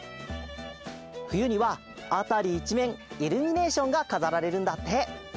ふゆにはあたりいちめんイルミネーションがかざられるんだって。